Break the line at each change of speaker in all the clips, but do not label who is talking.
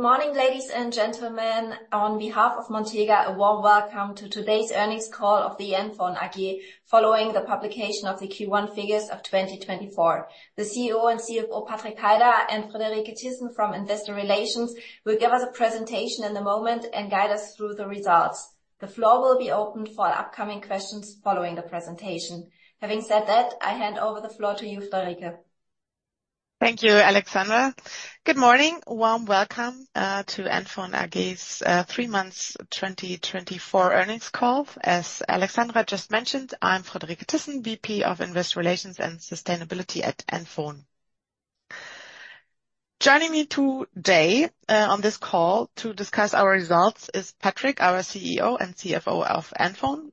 Good morning, ladies and gentlemen. On behalf of Montega, a warm welcome to today's earnings call of the NFON AG, following the publication of the Q1 figures of 2024. The CEO and CFO, Patrik Heider and Friederike Thyssen from Investor Relations, will give us a presentation in a moment and guide us through the results. The floor will be opened for upcoming questions following the presentation. Having said that, I hand over the floor to you, Friederike.
Thank you, Alexandra. Good morning. A warm welcome to NFON AG's three months 2024 earnings call. As Alexandra just mentioned, I'm Friederike Thyssen, VP of Investor Relations and Sustainability at NFON. Joining me today on this call to discuss our results is Patrik, our CEO and CFO of NFON.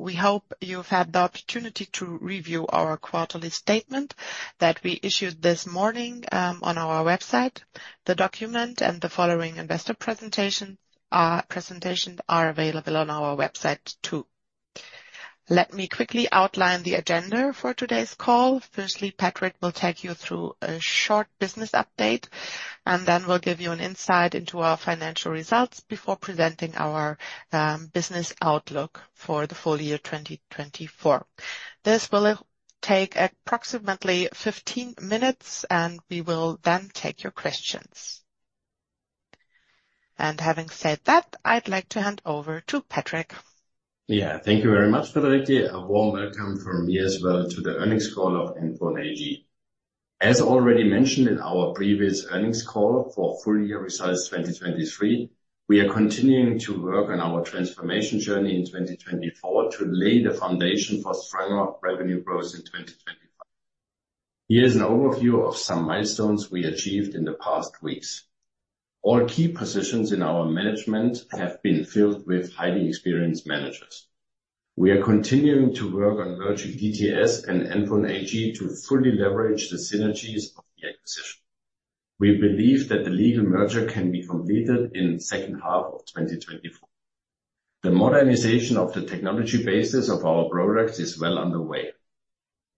We hope you've had the opportunity to review our quarterly statement that we issued this morning on our website. The document and the following investor presentation are available on our website, too. Let me quickly outline the agenda for today's call. Firstly, Patrik will take you through a short business update, and then we'll give you an insight into our financial results before presenting our business outlook for the full year 2024. This will take approximately 15 minutes, and we will then take your questions. Having said that, I'd like to hand over to Patrik.
Yeah. Thank you very much, Friederike. A warm welcome from me as well to the earnings call of NFON AG. As already mentioned in our previous earnings call for full year results 2023, we are continuing to work on our transformation journey in 2024 to lay the foundation for stronger revenue growth in 2025. Here's an overview of some milestones we achieved in the past weeks. All key positions in our management have been filled with highly experienced managers. We are continuing to work on merging DTS and NFON AG to fully leverage the synergies of the acquisition. We believe that the legal merger can be completed in second half of 2024. The modernization of the technology basis of our products is well underway.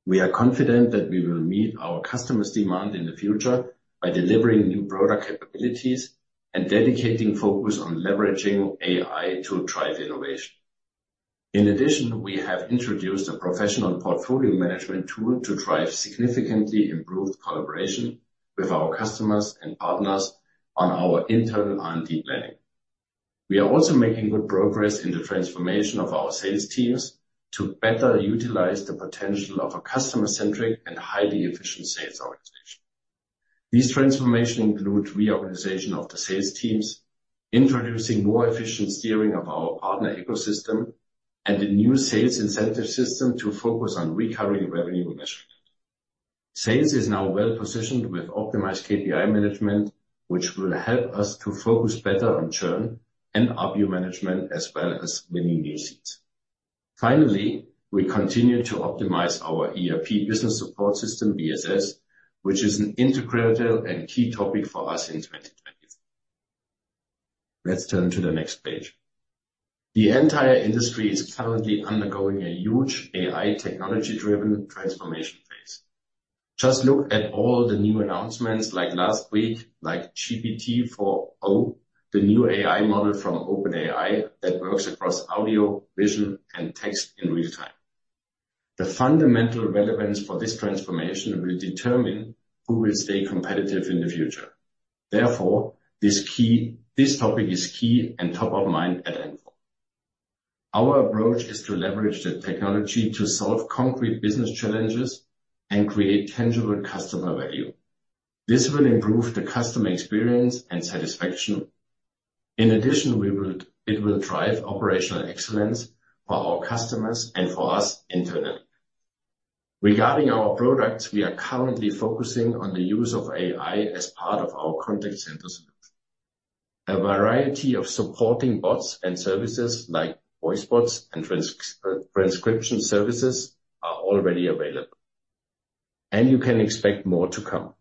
We are confident that we will meet our customers' demand in the future by delivering new product capabilities and dedicating focus on leveraging AI to drive innovation. In addition, we have introduced a professional portfolio management tool to drive significantly improved collaboration with our customers and partners on our internal R&D planning. We are also making good progress in the transformation of our sales teams to better utilize the potential of a customer-centric and highly efficient sales organization. These transformations include reorganization of the sales teams, introducing more efficient steering of our partner ecosystem, and a new sales incentive system to focus on recurring revenue measurement. Sales is now well positioned with optimized KPI management, which will help us to focus better on churn and ARPU management, as well as winning new seats. Finally, we continue to optimize our ERP business support system, BSS, which is an integrated and key topic for us in 2024. Let's turn to the next page. The entire industry is currently undergoing a huge AI technology-driven transformation phase. Just look at all the new announcements, like last week, like GPT-4o, the new AI model from OpenAI that works across audio, vision, and text in real time. The fundamental relevance for this transformation will determine who will stay competitive in the future. Therefore, this topic is key and top of mind at NFON. Our approach is to leverage the technology to solve concrete business challenges and create tangible customer value. This will improve the customer experience and satisfaction. In addition, it will drive operational excellence for our customers and for us internally. Regarding our products, we are currently focusing on the use of AI as part of our contact center solution. A variety of supporting bots and services, like voice bots and transcription services, are already available, and you can expect more to come.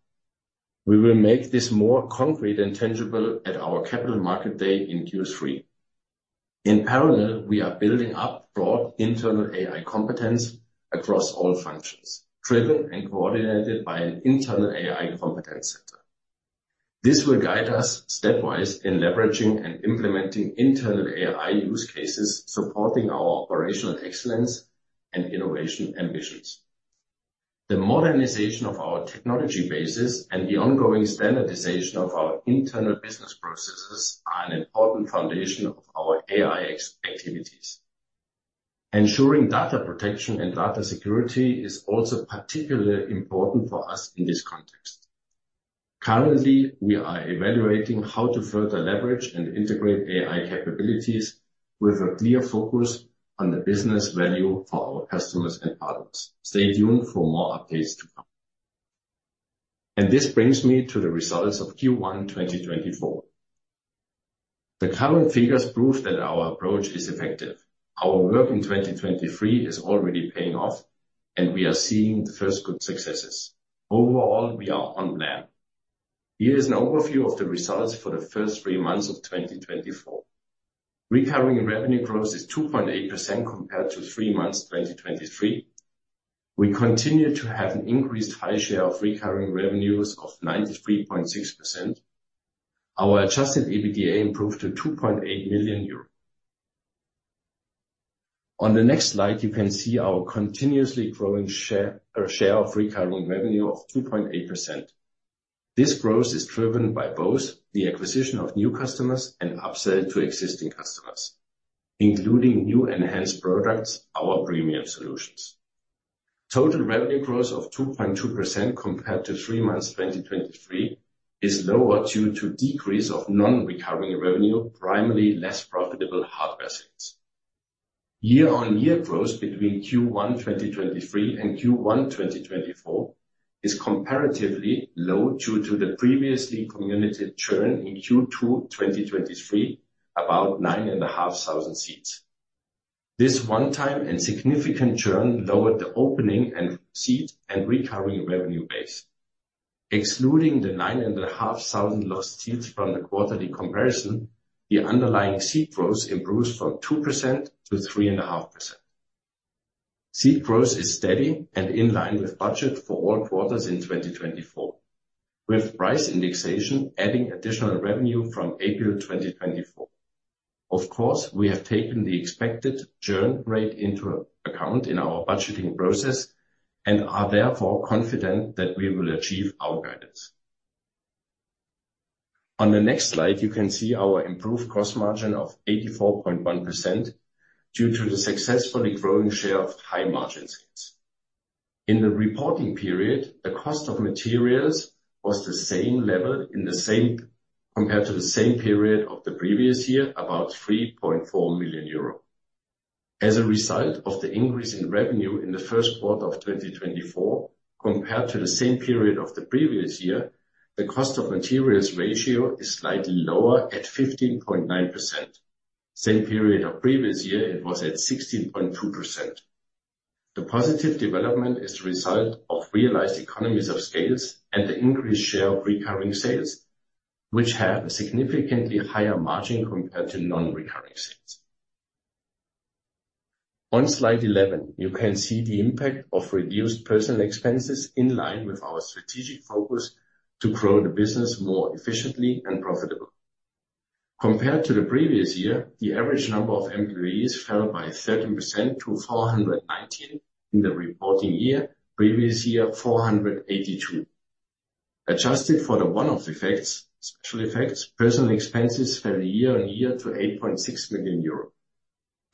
We will make this more concrete and tangible at our Capital Market Day in Q3. In parallel, we are building up broad internal AI competence across all functions, driven and coordinated by an internal AI competence center. This will guide us stepwise in leveraging and implementing internal AI use cases, supporting our operational excellence and innovation ambitions. The modernization of our technology basis and the ongoing standardization of our internal business processes are an important foundation of our AI activities. Ensuring data protection and data security is also particularly important for us in this context. Currently, we are evaluating how to further leverage and integrate AI capabilities with a clear focus on the business value for our customers and partners. Stay tuned for more updates to come. This brings me to the results of Q1 2024. The current figures prove that our approach is effective. Our work in 2023 is already paying off, and we are seeing the first good successes. Overall, we are on plan. Here is an overview of the results for the first three months of 2024. Recurring revenue growth is 2.8% compared to three months 2023. We continue to have an increased high share of recurring revenues of 93.6%. Our adjusted EBITDA improved to 2.8 million euros. On the next slide, you can see our continuously growing share, share of recurring revenue of 2.8%. This growth is driven by both the acquisition of new customers and upsell to existing customers, including new enhanced products, our premium solutions. Total revenue growth of 2.2% compared to three months, 2023, is lower due to decrease of non-recurring revenue, primarily less profitable hardware sales. Year-on-year growth between Q1 2023 and Q1 2024 is comparatively low due to the previously communicated churn in Q2 2023, about 9,500 seats. This one-time and significant churn lowered the opening and seat and recurring revenue base. Excluding the 9,500 lost seats from the quarterly comparison, the underlying seat growth improves from 2% to 3.5%. Seat growth is steady and in line with budget for all quarters in 2024, with price indexation adding additional revenue from April 2024. Of course, we have taken the expected churn rate into account in our budgeting process and are therefore confident that we will achieve our guidance. On the next slide, you can see our improved cost margin of 84.1% due to the successfully growing share of high-margin seats. In the reporting period, the cost of materials was the same level compared to the same period of the previous year, about 3.4 million euro. As a result of the increase in revenue in the first quarter of 2024, compared to the same period of the previous year, the cost of materials ratio is slightly lower at 15.9%. Same period of previous year, it was at 16.2%. The positive development is the result of realized economies of scale and the increased share of recurring sales, which have a significantly higher margin compared to non-recurring sales. On slide 11, you can see the impact of reduced personnel expenses in line with our strategic focus to grow the business more efficiently and profitable. Compared to the previous year, the average number of employees fell by 13% to 419 in the reporting year. Previous year, 482. Adjusted for the one-off effects, special effects, personnel expenses fell year-on-year to 8.6 million euros.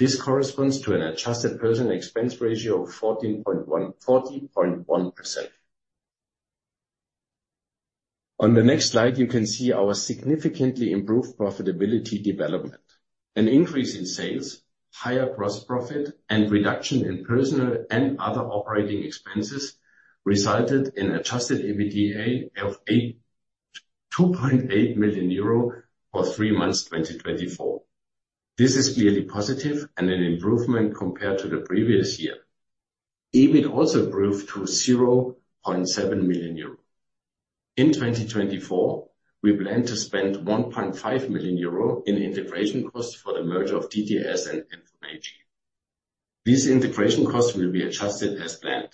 This corresponds to an adjusted personnel expense ratio of 14.1%-40.1%. On the next slide, you can see our significantly improved profitability development. An increase in sales, higher gross profit, and reduction in personnel and other operating expenses resulted in adjusted EBITDA of 8.2 million euro for the three months, 2024. This is clearly positive and an improvement compared to the previous year. EBIT also improved to 0.7 million euro. In 2024, we plan to spend 1.5 million euro in integration costs for the merger of DTS and NFON AG. These integration costs will be adjusted as planned.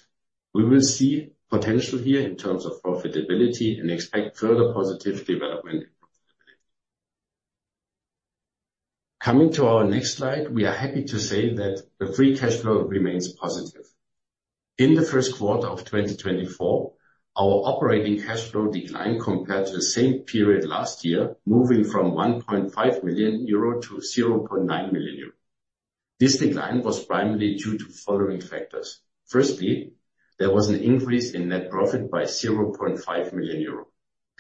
We will see potential here in terms of profitability and expect further positive development in profitability. Coming to our next slide, we are happy to say that the free cash flow remains positive. In the first quarter of 2024, our operating cash flow declined compared to the same period last year, moving from 1.5 million euro to 0.9 million euro. This decline was primarily due to following factors: firstly, there was an increase in net profit by 0.5 million euro.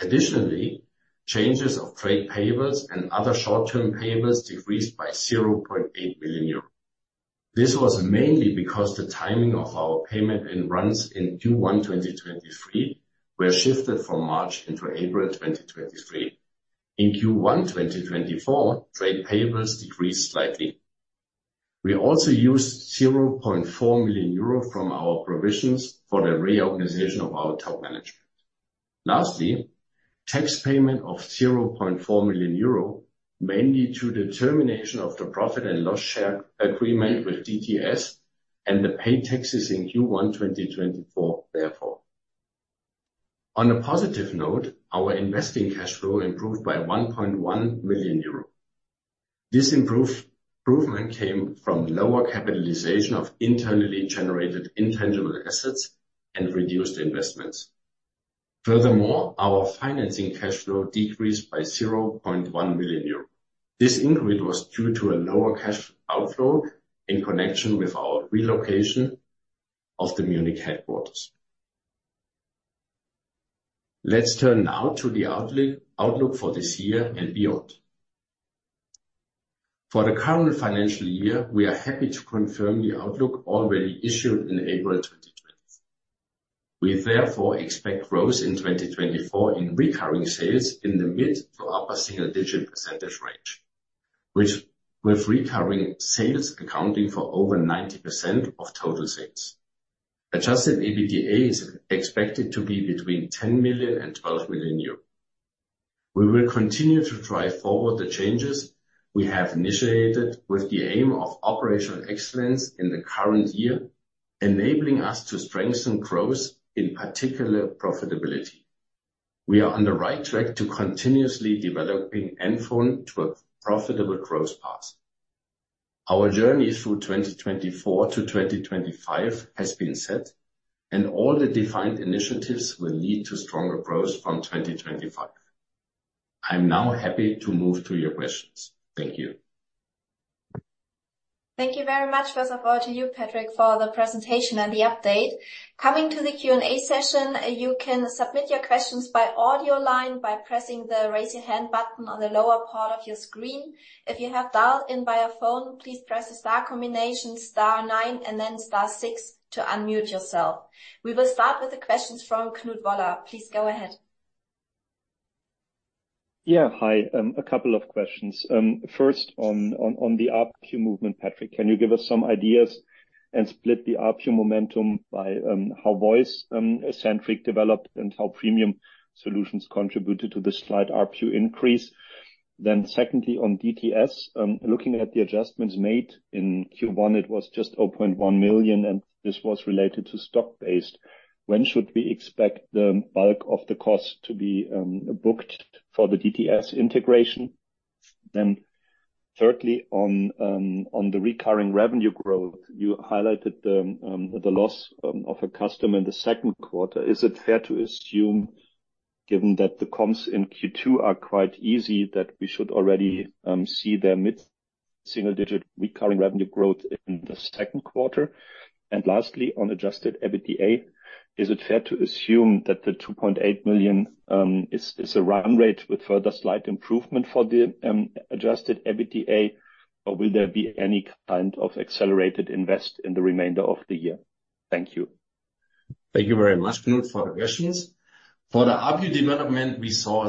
Additionally, changes of trade payables and other short-term payables decreased by 0.8 million euros. This was mainly because the timing of our payment runs in Q1 2023 were shifted from March into April 2023. In Q1 2024, trade payables decreased slightly. We also used 0.4 million euro from our provisions for the reorganization of our top management. Lastly, tax payment of 0.4 million euro, mainly to the termination of the profit and loss share agreement with DTS and the paid taxes in Q1 2024, therefore. On a positive note, our investing cash flow improved by 1.1 million euro. This improvement came from lower capitalization of internally generated intangible assets and reduced investments. Furthermore, our financing cash flow decreased by 0.1 million euros. This increase was due to a lower cash outflow in connection with our relocation of the Munich headquarters. Let's turn now to the outlook for this year and beyond. For the current financial year, we are happy to confirm the outlook already issued in April 2024. We therefore expect growth in 2024 in recurring sales in the mid- to upper single-digit % range, which with recurring sales accounting for over 90% of total sales. Adjusted EBITDA is expected to be between 10 million and 12 million euros. We will continue to drive forward the changes we have initiated, with the aim of operational excellence in the current year, enabling us to strengthen growth, in particular, profitability. We are on the right track to continuously developing NFON to a profitable growth path. Our journey through 2024 to 2025 has been set, and all the defined initiatives will lead to stronger growth from 2025. I'm now happy to move to your questions. Thank you.
Thank you very much, first of all, to you, Patrik, for the presentation and the update. Coming to the Q&A session, you can submit your questions by audio line by pressing the Raise Your Hand button on the lower part of your screen. If you have dialed in via phone, please press the star combination, star nine, and then star six to unmute yourself. We will start with the questions from Knut Woller. Please go ahead.
Yeah, hi. A couple of questions. First on the ARPU movement, Patrick, can you give us some ideas and split the ARPU momentum by how voice centric developed and how premium solutions contributed to the slight ARPU increase? Then secondly, on DTS, looking at the adjustments made in Q1, it was just 0.1 million, and this was related to stock-based. When should we expect the bulk of the cost to be booked for the DTS integration? Then thirdly, on the recurring revenue growth, you highlighted the loss of a customer in the second quarter. Is it fair to assume, given that the comps in Q2 are quite easy, that we should already see their mid-single-digit recurring revenue growth in the second quarter? Lastly, on adjusted EBITDA, is it fair to assume that the 2.8 million is a run rate with further slight improvement for the adjusted EBITDA, or will there be any kind of accelerated investment in the remainder of the year? Thank you.
Thank you very much, Knut, for the questions. For the ARPU development, we are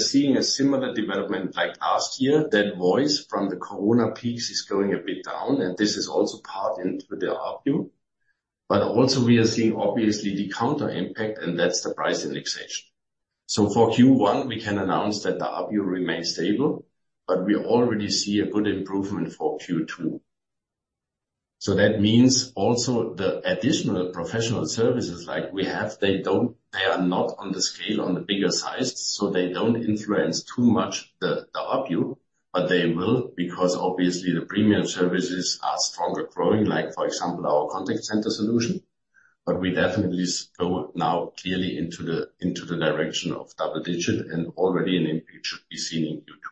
seeing a similar development like last year, that voice from the Corona peaks is going a bit down, and this is also part into the ARPU. But also we are seeing, obviously, the counter impact, and that's the price indexation. So for Q1, we can announce that the ARPU remains stable, but we already see a good improvement for Q2. So that means also the additional professional services like we have, they are not on the scale, on the bigger size, so they don't influence too much the ARPU, but they will because obviously the premium services are stronger growing, like, for example, our contact center solution. But we definitely go now clearly into the direction of double digit, and already an impact should be seen in Q2.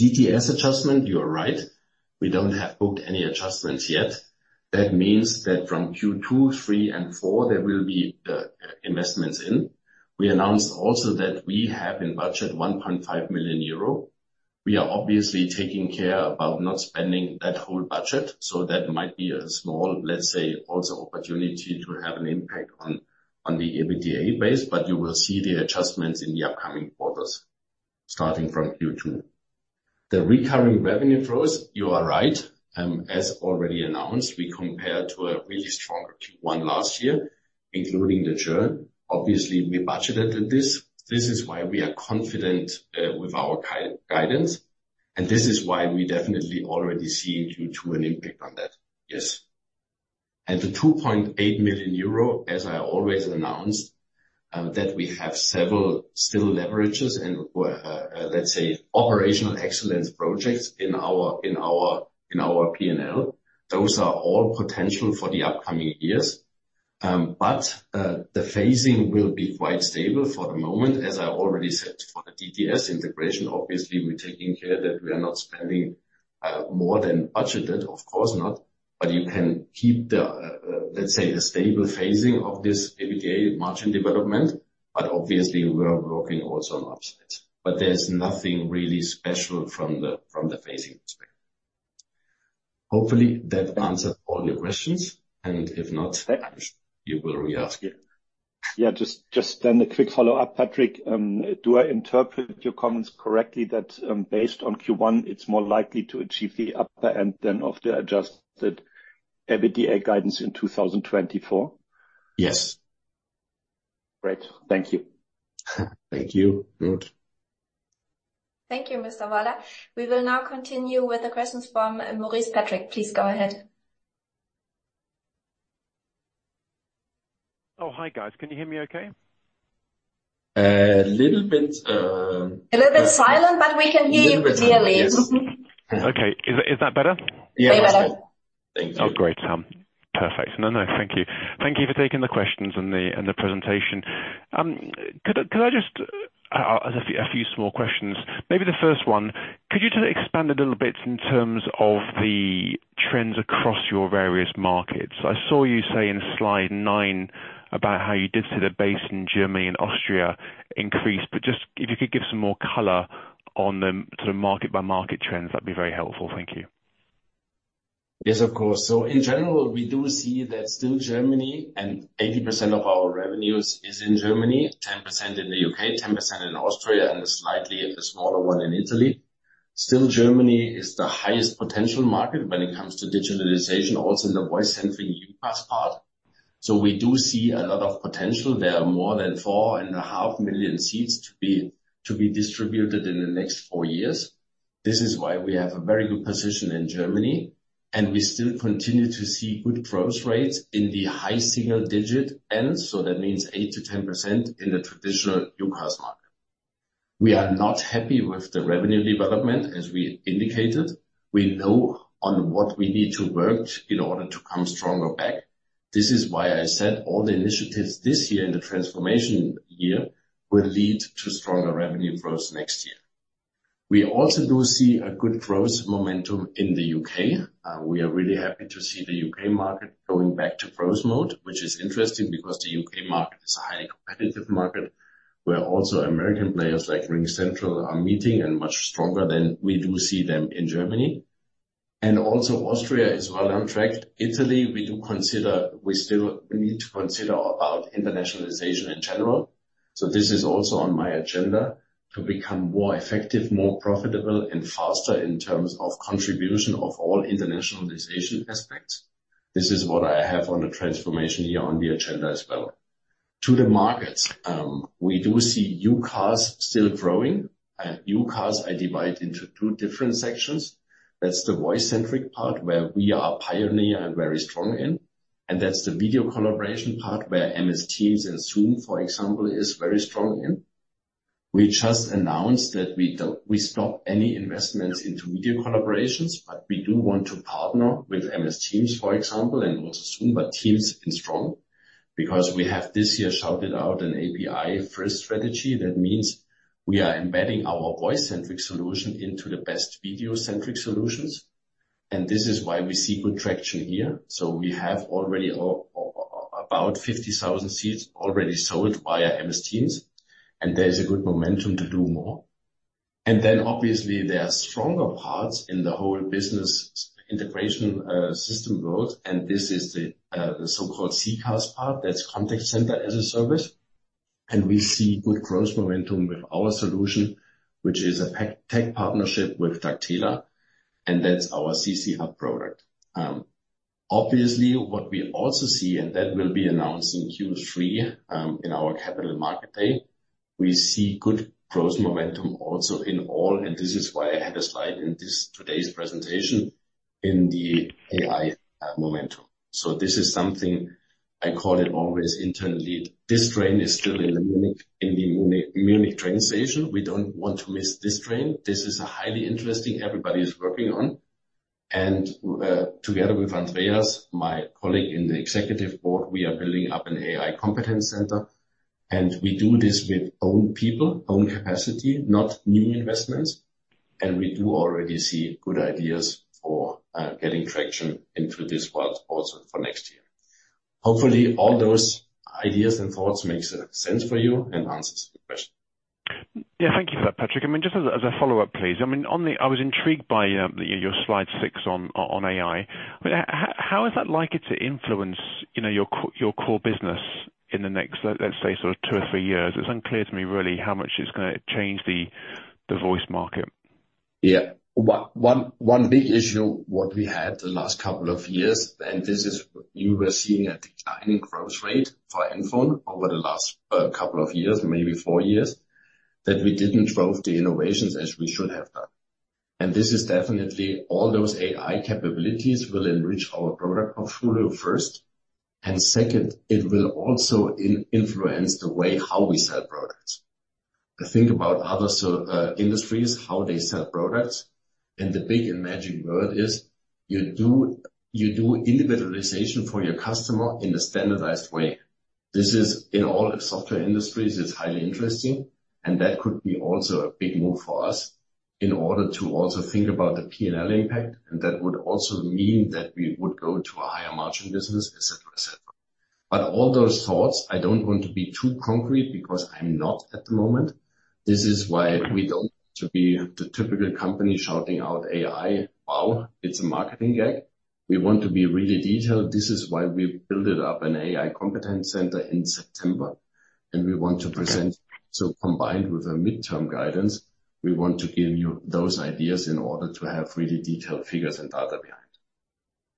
DTS adjustment, you are right. We don't have booked any adjustments yet. That means that from Q2, Q3 and Q4, there will be investments in. We announced also that we have in budget 1.5 million euro. We are obviously taking care about not spending that whole budget, so that might be a small, let's say, also opportunity to have an impact on the EBITDA base, but you will see the adjustments in the upcoming quarters, starting from Q2. The recurring revenue growth, you are right. As already announced, we compare to a really stronger Q1 last year, including the churn. Obviously, we budgeted this. This is why we are confident with our key guidance, and this is why we definitely already see in Q2 an impact on that, yes. The two point eight million euro, as I always announced, that we have several still leverages and, let's say, operational excellence projects in our P&L. Those are all potential for the upcoming years. But the phasing will be quite stable for the moment. As I already said, for the DTS integration, obviously, we're taking care that we are not spending more than budgeted. Of course not. But you can keep the, let's say, the stable phasing of this EBITDA margin development, but obviously we are working also on the upside. But there's nothing really special from the phasing perspective. Hopefully, that answered all your questions, and if not, you will re-ask it.
Yeah, just, just then a quick follow-up, Patrik. Do I interpret your comments correctly, that based on Q1, it's more likely to achieve the upper end than of the adjusted EBITDA guidance in 2024?
Yes.
Great. Thank you.
Thank you, Knut.
Thank you, Mr. Woller. We will now continue with the questions from Maurice Patrick. Please go ahead.
Oh, hi, guys. Can you hear me okay?
A little bit,
A little bit silent, but we can hear you clearly.
Little bit, yes.
Okay, is that better?
Yeah, much better.
Way better.
Thank you.
Oh, great. Perfect. No, no, thank you. Thank you for taking the questions and the, and the presentation. Could I, could I just a few, a few small questions. Maybe the first one, could you just expand a little bit in terms of the trends across your various markets? I saw you say in slide 9 about how you did see the base in Germany and Austria increase, but just if you could give some more color on the sort of market-by-market trends, that'd be very helpful. Thank you.
Yes, of course. So in general, we do see that still Germany, and 80% of our revenues is in Germany, 10% in the UK, 10% in Austria, and slightly a smaller one in Italy. Still, Germany is the highest potential market when it comes to digitalization, also in the voice-centric UCaaS part. So we do see a lot of potential. There are more than 4.5 million seats to be distributed in the next 4 years. This is why we have a very good position in Germany, and we still continue to see good growth rates in the high single digit ends, so that means 8%-10% in the traditional UCaaS market. We are not happy with the revenue development, as we indicated. We know on what we need to work in order to come stronger back. This is why I said all the initiatives this year in the transformation year will lead to stronger revenue growth next year. We also do see a good growth momentum in the UK. We are really happy to see the UK market going back to growth mode, which is interesting because the UK market is a highly competitive market, where also American players like RingCentral are meeting and much stronger than we do see them in Germany. And also, Austria is well on track. Italy, we do consider we still need to consider about internationalization in general, so this is also on my agenda, to become more effective, more profitable, and faster in terms of contribution of all internationalization aspects. This is what I have on the transformation here on the agenda as well. To the markets, we do see UCaaS still growing. UCaaS I divide into two different sections. That's the voice-centric part, where we are pioneer and very strong in, and that's the video collaboration part, where MS Teams and Zoom, for example, is very strong in. We just announced that we stop any investments into video collaborations, but we do want to partner with MS Teams, for example, and also Zoom, but Teams is strong. Because we have this year shouted out an API-first strategy, that means we are embedding our voice-centric solution into the best video-centric solutions, and this is why we see good traction here. So we have already about 50,000 seats already sold via MS Teams, and there is a good momentum to do more. And then, obviously, there are stronger parts in the whole business integration, system world, and this is the so-called CCaaS part. That's contact center as a service. And we see good growth momentum with our solution, which is a tech partnership with Daktela, and that's our CC Hub product. Obviously, what we also see, and that we'll be announcing Q3 in our capital market day, we see good growth momentum also in AI, and this is why I had a slide in this, today's presentation, in the AI momentum. So this is something I call it always internally, this train is still in the Munich train station. We don't want to miss this train. This is a highly interesting, everybody is working on. And together with Andreas, my colleague in the executive board, we are building up an AI competence center, and we do this with own people, own capacity, not new investments. We do already see good ideas for getting traction into this world also for next year. Hopefully, all those ideas and thoughts makes sense for you and answers your question.
Yeah, thank you for that, Patrick. I mean, just as a follow-up, please, I mean, on the... I was intrigued by your slide 6 on AI, but how is that likely to influence, you know, your core business in the next, let's say, sort of 2 or 3 years? It's unclear to me really how much it's gonna change the voice market.
Yeah. One big issue, what we had the last couple of years, and this is you were seeing a declining growth rate for NFON over the last couple of years, maybe four years, that we didn't drove the innovations as we should have done. And this is definitely all those AI capabilities will enrich our product portfolio first, and second, it will also influence the way how we sell products. I think about other industries, how they sell products, and the big and magic word is, you do individualization for your customer in a standardized way. This is, in all software industries, it's highly interesting, and that could be also a big move for us in order to also think about the P&L impact, and that would also mean that we would go to a higher margin business, etc., etc. But all those thoughts, I don't want to be too concrete, because I'm not at the moment. This is why we don't want to be the typical company shouting out: AI, wow, it's a marketing gag. We want to be really detailed. This is why we built up an AI competence center in September, and we want to present, so combined with a midterm guidance, we want to give you those ideas in order to have really detailed figures and data behind.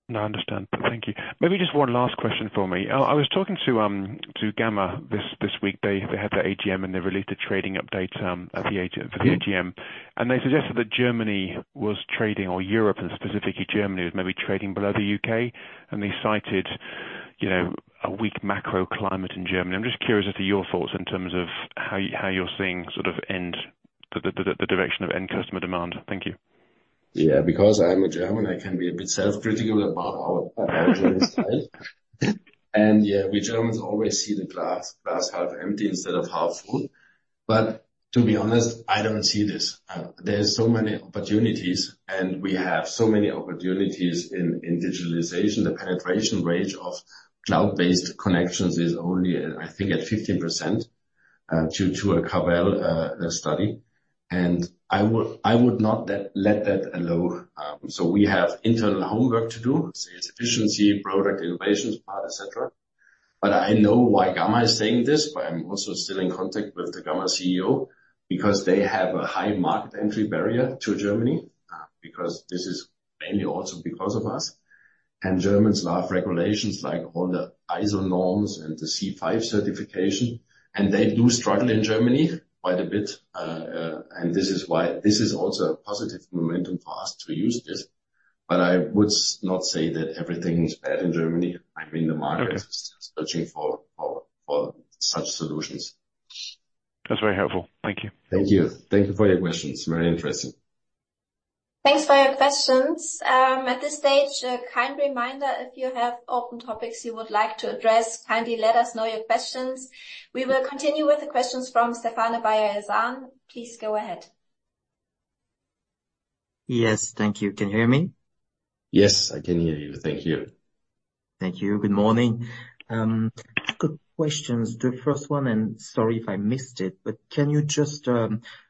No, I understand. Thank you. Maybe just one last question for me. I was talking to Gamma this week. They had their AGM, and they released a trading update at the AGM. And they suggested that Germany was trading, or Europe, and specifically Germany, was maybe trading below the UK, and they cited, you know, a weak macro climate in Germany. I'm just curious as to your thoughts in terms of how you, how you're seeing sort of the direction of end customer demand. Thank you.
Yeah, because I'm a German, I can be a bit self-critical about our side. And yeah, we Germans always see the glass, glass half empty instead of half full. But to be honest, I don't see this. There are so many opportunities, and we have so many opportunities in, in digitalization. The penetration rate of cloud-based connections is only, I think, at 15%, due to a Cavell study. And I would, I would not let, let that allow. So we have internal homework to do, say, it's efficiency, product, innovation part, et cetera. But I know why Gamma is saying this, but I'm also still in contact with the Gamma CEO, because they have a high market entry barrier to Germany, because this is mainly also because of us. Germans love regulations like all the ISO norms and the C5 certification, and they do struggle in Germany quite a bit. This is also a positive momentum for us to use this. But I would not say that everything is bad in Germany. I mean, the market is searching for such solutions.
That's very helpful. Thank you.
Thank you. Thank you for your questions. Very interesting.
Thanks for your questions. At this stage, a kind reminder, if you have open topics you would like to address, kindly let us know your questions. We will continue with the questions from Stephane Beyazian. Please go ahead.
Yes, thank you. Can you hear me?
Yes, I can hear you. Thank you.
Thank you. Good morning. Quick questions. The first one, and sorry if I missed it, but can you just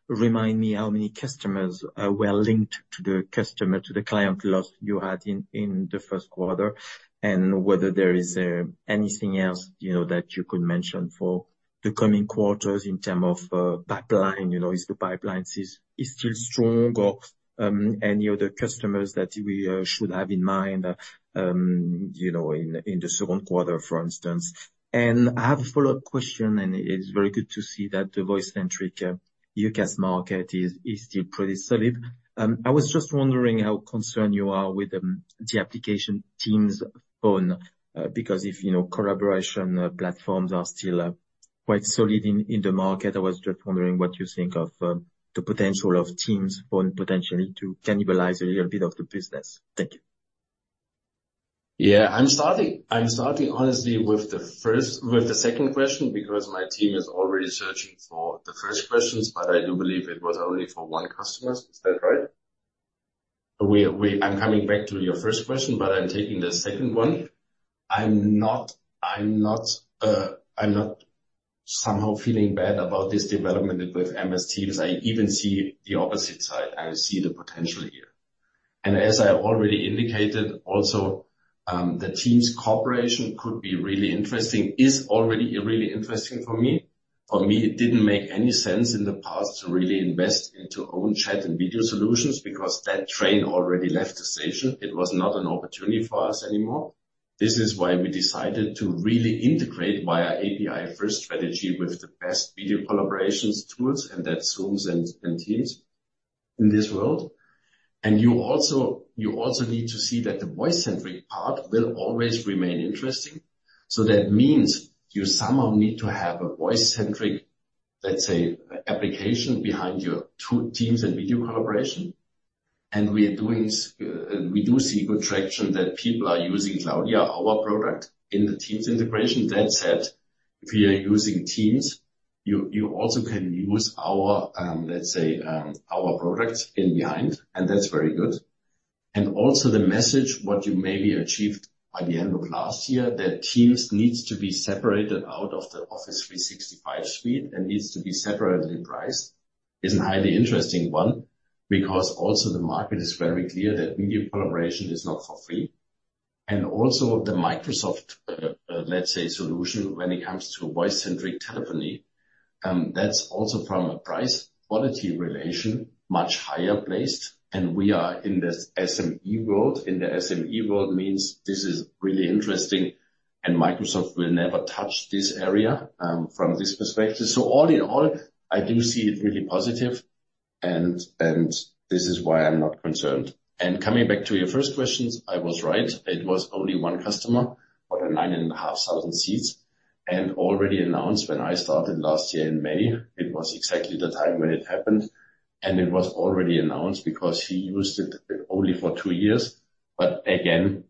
remind me how many customers were linked to the customer, to the client loss you had in the first quarter, and whether there is anything else, you know, that you could mention for the coming quarters in terms of pipeline? You know, is the pipeline still strong or any other customers that we should have in mind, you know, in the second quarter, for instance? And I have a follow-up question, and it's very good to see that the voice-centric UCaaS market is still pretty solid. I was just wondering how concerned you are with the application Teams Phone. Because if, you know, collaboration platforms are still quite solid in the market, I was just wondering what you think of the potential of Teams Phone potentially to cannibalize a little bit of the business. Thank you.
Yeah, I'm starting, honestly, with the first... With the second question, because my team is already searching for the first questions, but I do believe it was only for one customer. Is that right? I'm coming back to your first question, but I'm taking the second one. I'm not somehow feeling bad about this development with MS Teams. I even see the opposite side. I see the potential here. And as I already indicated also, the Teams cooperation could be really interesting, is already really interesting for me. For me, it didn't make any sense in the past to really invest into own chat and video solutions because that train already left the station. It was not an opportunity for us anymore. This is why we decided to really integrate via API first strategy with the best video collaborations tools, and that's Zooms and, and Teams in this world. You also, you also need to see that the voice-centric part will always remain interesting. That means you somehow need to have a voice-centric, let's say, application behind your two teams and video collaboration. We are doing, and we do see good traction that people are using Cloudya, our product, in the Teams integration. That said, if you are using Teams, you, you also can use our, let's say, our product in behind, and that's very good. And also the message, what you maybe achieved by the end of last year, that Teams needs to be separated out of the Office 365 suite and needs to be separately priced, is a highly interesting one, because also the market is very clear that video collaboration is not for free. And also the Microsoft, let's say, solution when it comes to voice-centric telephony, that's also from a price quality relation, much higher placed, and we are in this SME world. In the SME world means this is really interesting, and Microsoft will never touch this area, from this perspective. So all in all, I do see it really positive, and this is why I'm not concerned. And coming back to your first questions, I was right. It was only one customer, but 9,500 seats, and already announced when I started last year in May. It was exactly the time when it happened, and it was already announced because he used it only for two years. But again,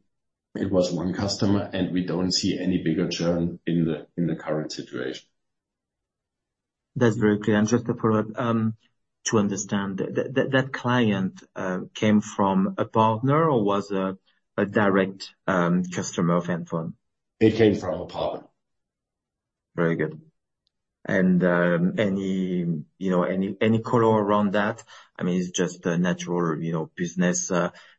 it was one customer, and we don't see any bigger churn in the current situation.
That's very clear. Just to follow up, to understand, that client came from a partner or was a direct customer of NFON?
It came from a partner.
Very good. And any, you know, any color around that? I mean, it's just a natural, you know, business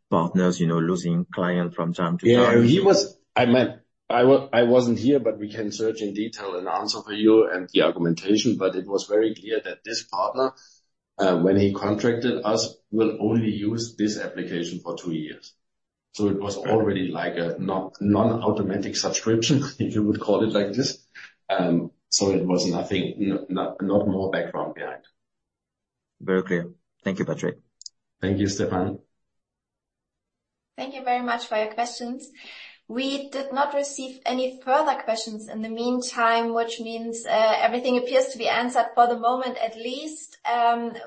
partners, you know, losing client from time to time.
I meant, I wasn't here, but we can search in detail and answer for you and the argumentation, but it was very clear that this partner, when he contracted us, will only use this application for two years. So it was already like a non-automatic subscription, if you would call it like this. So it was nothing, no, not more background behind.
Very clear. Thank you, Patrik.
Thank you, Stephane.
Thank you very much for your questions. We did not receive any further questions in the meantime, which means, everything appears to be answered for the moment at least.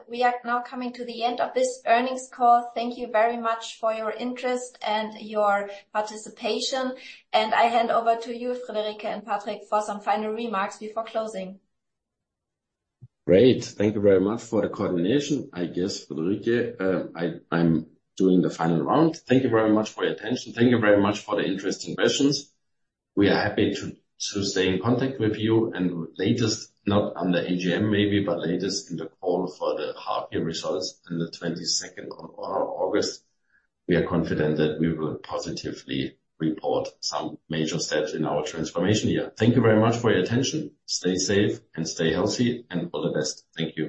We are now coming to the end of this earnings call. Thank you very much for your interest and your participation, and I hand over to you, Friederike and Patrik, for some final remarks before closing.
Great. Thank you very much for the coordination. I guess, Friederike, I'm doing the final round. Thank you very much for your attention. Thank you very much for the interesting questions. We are happy to stay in contact with you, and at latest, not on the AGM maybe, but at latest in the call for the half year results on the twenty-second of August. We are confident that we will positively report some major steps in our transformation year. Thank you very much for your attention. Stay safe and stay healthy, and all the best. Thank you.